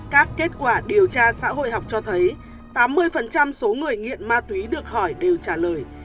các kết quả điều tra xã hội học cho thấy tám mươi số người nghiện ma túy được hỏi đều trả lời